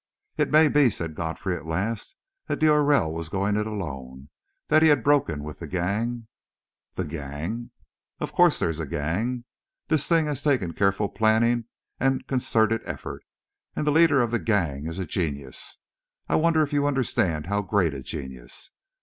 "It may be," said Godfrey, at last, "that d'Aurelle was going it alone that he had broken with the gang " "The gang?" "Of course there is a gang. This thing has taken careful planning and concerted effort. And the leader of the gang is a genius! I wonder if you understand how great a genius?